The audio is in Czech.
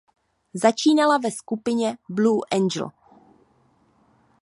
Začínala ve skupině Blue Angel.